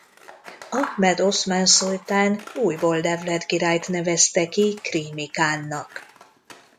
Ahmed oszmán szultán újból Devlet Girájt nevezte ki krími kánnak.